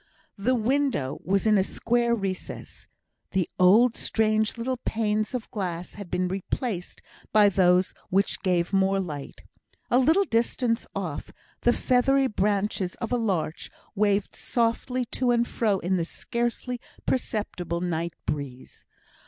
The window was in a square recess; the old strange little panes of glass had been replaced by those which gave more light. A little distance off, the feathery branches of a larch waved softly to and fro in the scarcely perceptible night breeze.